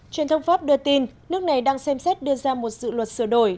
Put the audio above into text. truyền thông pháp đưa tin nước này đang xem xét đưa ra một dự luật sửa đổi